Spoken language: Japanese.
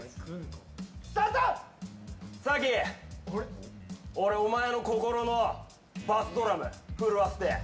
早紀、俺、お前の心のバスドラム震わせてえ。